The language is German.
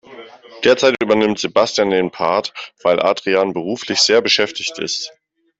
Derzeit übernimmt Sebastian den Part, weil Adrian beruflich sehr beschäftigt ist.